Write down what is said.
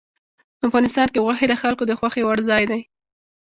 افغانستان کې غوښې د خلکو د خوښې وړ ځای دی.